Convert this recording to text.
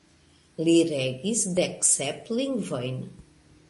Li regis deksep lingvojn.